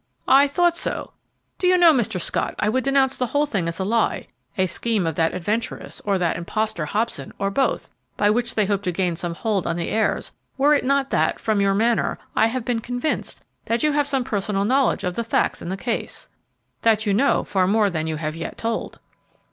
"I thought so. Do you know, Mr. Scott, I would denounce the whole thing as a lie, a scheme of that adventuress, or that impostor, Hobson, or both, by which they hope to gain some hold on the heirs, were it not that, from your manner, I have been convinced that you have some personal knowledge of the facts in the case, that you know far more than you have yet told."